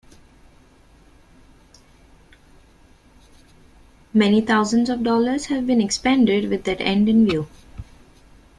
Many thousands of dollars have been expended with that end in view.